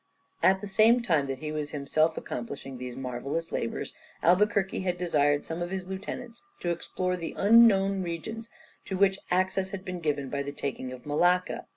At the same time that he was himself accomplishing these marvellous labours, Albuquerque had desired some of his lieutenants to explore the unknown regions to which access had been given by the taking of Malacca.